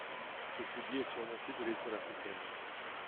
Ce collier est surmonté de l'étoile africaine.